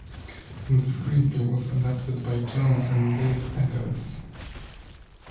The screenplay was adapted by Jonze and Dave Eggers.